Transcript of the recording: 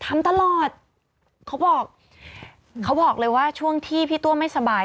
ทำตลอดเขาบอกเขาบอกเลยว่าช่วงที่พี่ตัวไม่สบาย